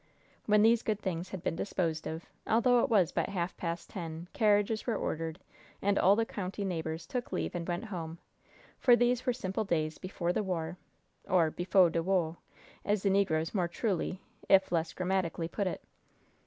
When these good things had been disposed of, although it was but half past ten, carriages were ordered, and all the county neighbors took leave and went home, for these were simple days "before the war" or "befo' de wo," as the negroes more truly, if less grammatically, put it.